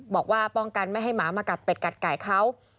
บอกว่าป้องกันไม่ให้หมามากัดเป็ดกัดไก่เขา